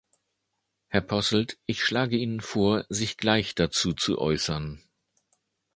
Herr Posselt, ich schlage Ihnen vor, sich gleich dazu zu äußern.